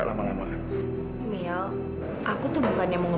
soalnya dia mau jahatin aku